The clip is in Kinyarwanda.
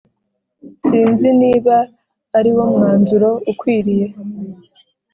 sinzi niba ari wo mwanzuro ukwiriye